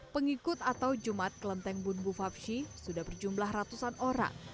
pengikut atau jumat kelenteng bunbhu fapsi sudah berjumlah ratusan orang